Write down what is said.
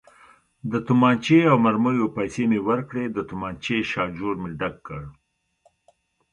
د تومانچې او مرمیو پیسې مې ورکړې، د تومانچې شاجور مې ډک کړ.